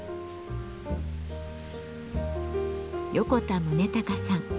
横田宗隆さん。